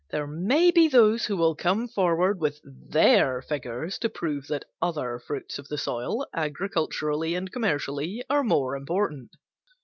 There may be those who will come forward with their figures to prove that other fruits of the soil agriculturally and commercially are more important.